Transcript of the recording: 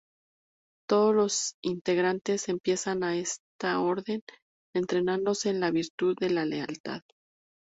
Todos los integrantes empiezan en esta orden, entrenándose en la virtud de la lealtad.